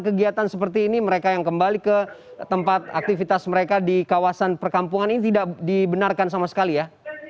kegiatan seperti ini mereka yang kembali ke tempat aktivitas mereka di kawasan perkampungan ini tidak dibenarkan sama sekali ya